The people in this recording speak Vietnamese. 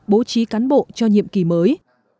bố trí cán bộ cho nhiệm kỳ mới